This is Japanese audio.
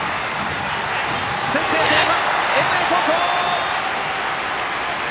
先制点は英明高校！